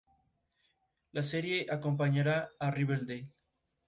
El departamento fue creado en la Revolución Francesa.